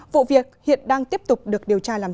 vụ việc hiện đang tiếp tục được điều tra làm rõ